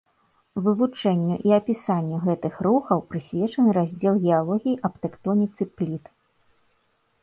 Вывучэнню і апісанню гэтых рухаў прысвечаны раздзел геалогіі аб тэктоніцы пліт.